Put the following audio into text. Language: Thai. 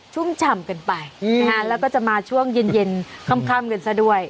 ชุ่มฉ่ำกันไปแล้วก็จะมาช่วงเย็นค่ำกันซะด้วย